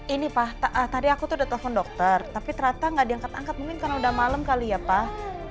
ini pak tadi aku tuh udah telepon dokter tapi ternyata nggak diangkat angkat mungkin karena udah malam kali ya pak